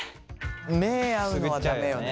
目合うのは駄目よね。